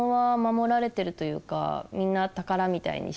みんな。